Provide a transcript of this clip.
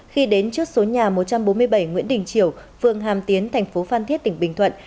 khi đến trước số nhà một trăm bốn mươi bảy nguyễn đình triều phường hàm tiến thành phố phan thiết tỉnh bình thuận